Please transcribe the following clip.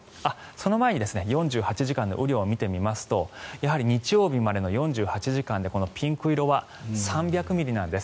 その前に４８時間の雨量を見てみますと日曜日までの４８時間でピンク色は３００ミリなんです。